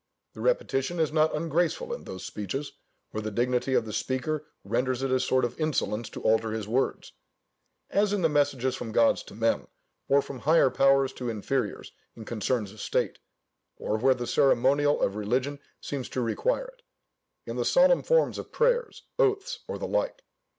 The repetition is not ungraceful in those speeches, where the dignity of the speaker renders it a sort of insolence to alter his words; as in the messages from gods to men, or from higher powers to inferiors in concerns of state, or where the ceremonial of religion seems to require it, in the solemn forms of prayers, oaths, or the like.